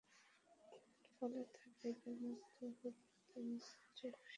ফলে তাঁর হৃদয় মুগ্ধ হল তাঁর চোখ শীতল হল।